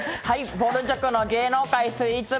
「ぼる塾の芸能界スイーツ部」